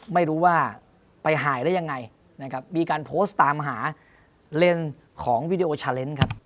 ไม่รู้ว่าไปหายได้ยังไงนะครับมีการโพสต์ตามหาเลนส์ของวีดีโอชาเลนส์ครับ